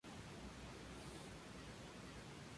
Fausto Benítez Aguilar, Secretario; Prof.